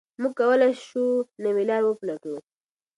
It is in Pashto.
موږ کولای شو نوي لارې وپلټو.